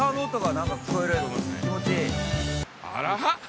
あら？